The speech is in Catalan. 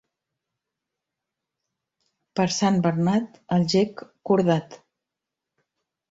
Per Sant Bernat, el gec cordat.